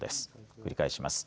繰り返します。